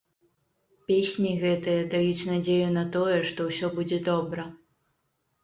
Песні гэтыя даюць надзею на тое, што ўсё будзе добра.